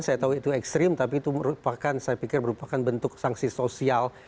saya tahu itu ekstrim tapi itu merupakan saya pikir merupakan bentuk sanksi sosial